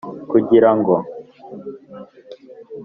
kugirango